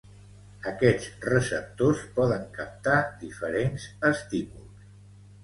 Aquests receptors poden captar diferents estímuls